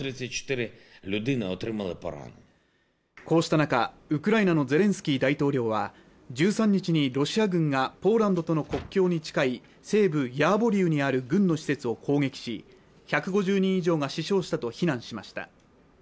こうした中ウクライナのゼレンスキー大統領は１３日にロシア軍がポーランドとの国境に近い西部ヤーヴォリウにある軍の施設を攻撃し１５０人以上が死傷したと非難しました